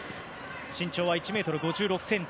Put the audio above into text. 身長は１ｍ５６ｃｍ。